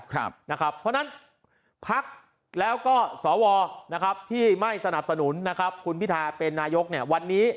เพราะฉะนั้นพักแล้วก็สวที่ไม่สนับสนุนคุณพิทาเป็นนายกวันนี้